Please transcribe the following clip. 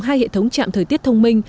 hai hệ thống chạm thời tiết thông minh